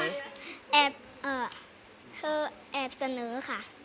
แอบเอ่อเธอแอบเสนอค่ะ